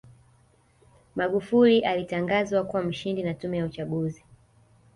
magufuli alitangazwa kuwa mshindi na tume ya uchaguzi